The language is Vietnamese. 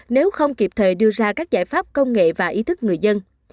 nếu không kịp thời đưa ra các giải pháp công nghệ và ý thức người dân